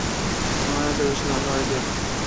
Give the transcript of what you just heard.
মনে হয় এটা বেশ ভালো আইডিয়া।